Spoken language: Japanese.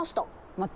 待って。